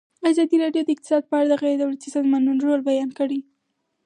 ازادي راډیو د اقتصاد په اړه د غیر دولتي سازمانونو رول بیان کړی.